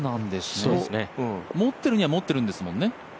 持ってるには持ってるんですもんね？